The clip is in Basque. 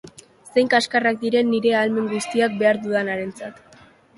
Zein kaskarrak diren nire ahalmen guztiak behar dudanarentzat!